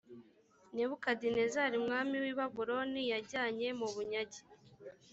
nebukadinezari umwami w’i babuloni yajyanye mu bunyage.